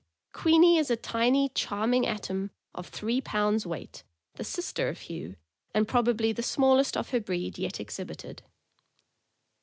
Queenie is a tiny, charming atom of three pounds weight, the sister of Hugh, and probably the small est of her breed yet exhibited.